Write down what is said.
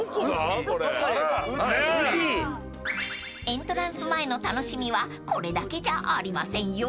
［エントランス前の楽しみはこれだけじゃありませんよ］